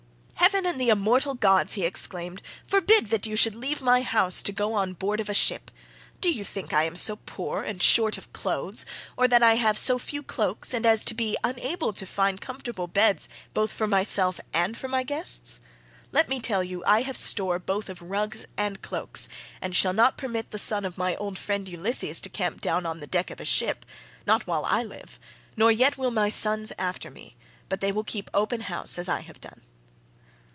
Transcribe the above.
"Heaven and the immortal gods," he exclaimed, "forbid that you should leave my house to go on board of a ship. Do you think I am so poor and short of clothes, or that I have so few cloaks and as to be unable to find comfortable beds both for myself and for my guests? Let me tell you I have store both of rugs and cloaks, and shall not permit the son of my old friend Ulysses to camp down on the deck of a ship—not while I live—nor yet will my sons after me, but they will keep open house as I have done."